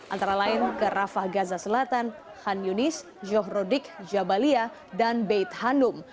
antara lain ke rafah gaza selatan han yunis johrodik jabalia dan beit hanum